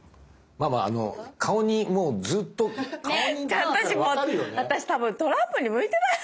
ママあの顔にもうずっと私多分トランプに向いてない。